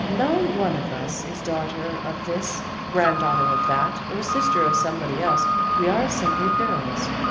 No one of us is daughter of this, grand daughter of that, or sister of somebody else ; we are simply girls.